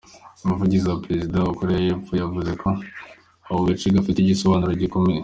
Umuvugizi wa Perezidansi ya Koreya y’Epfo yavuze ko ako gace gafite igisobanuro gikomeye.